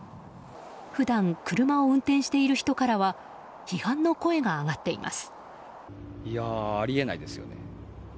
普段、車を運転している人からは批判の声が上がっています。